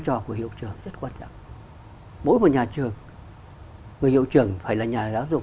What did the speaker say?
trò của hiệu trưởng rất quan trọng mỗi một nhà trường người hiệu trưởng phải là nhà giáo dục